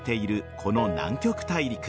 この南極大陸。